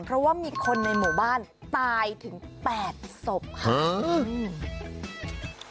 เพราะว่ามีคนในหมู่บ้านตายถึง๘ศพค่ะ